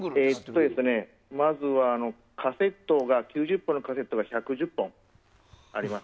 まずは９０分のカセットが１１０本あります。